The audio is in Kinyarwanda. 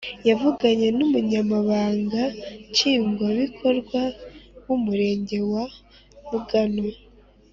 Yavuganye n umunyamabanga nshingwabikorwa w umurenge wa mugano